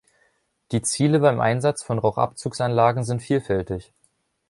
Die Ziele beim Einsatz von Rauchabzugs-Anlagen sind vielfältig.